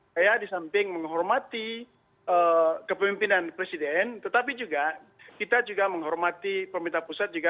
saya di samping menghormati kepemimpinan presiden tetapi juga kita juga menghormati pemerintah pusat juga